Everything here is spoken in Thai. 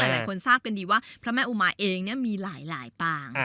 หลายคนทราบกันดีว่าพระแม่อุมาเองมีหลายปาง